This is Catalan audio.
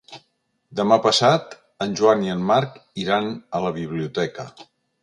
Demà passat en Joan i en Marc iran a la biblioteca.